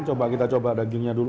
coba kita coba dagingnya dulu